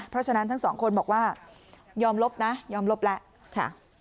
เพราะฉะนั้นทั้งสองคนบอกว่ายอมลบนะยอมลบแล้วค่ะ